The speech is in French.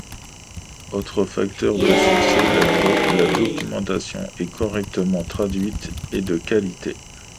Autre facteur de succès, la documentation est correctement traduite et de qualité.